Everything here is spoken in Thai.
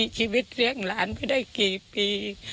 ใช่ค่ะ